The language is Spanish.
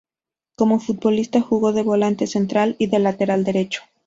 Como futbolista, jugó de volante central y de lateral derecho.